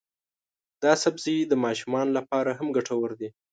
دا سبزی د ماشومانو لپاره هم ګټور دی.